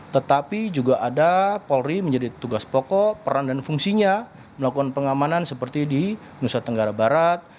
tetapi juga ada polri menjadi tugas pokok peran dan fungsinya melakukan pengamanan seperti di nusa tenggara barat